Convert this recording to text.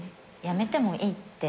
辞めてもいいって。